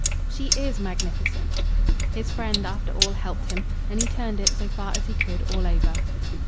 "She IS magnificent." His friend, after all, helped him, and he turned it, so far as he could, all over.